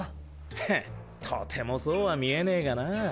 ヘッとてもそうは見えねえがな。